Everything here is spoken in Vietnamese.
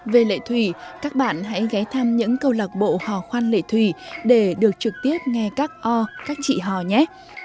về lệ thủy các bạn hãy ghé thăm những câu lạc bộ hò khoan lệ thủy để được trực tiếp nghe các o các chị hò nhé